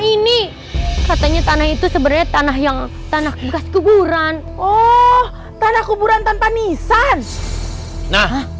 ini katanya tanah itu sebenarnya tanah yang tanah bekas kuburan oh tanah kuburan tanpa nisan nah